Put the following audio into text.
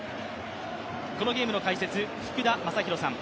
このゲームの解説、福田正博さん